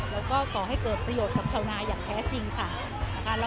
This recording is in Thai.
แล้วก็ก่อให้เกิดประโยชน์กับชาวนาอย่างแท้จริงค่ะ